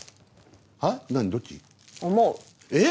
えっ！